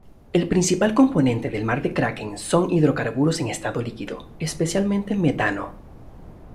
El principal componente del mar del Kraken son hidrocarburos en estado líquido, especialmente metano.